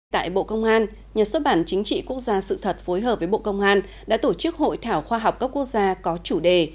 tại bộ công an nhà xuất bản chính trị quốc gia sự thật phối hợp với bộ công an đã tổ chức hội thảo khoa học cấp quốc gia có chủ đề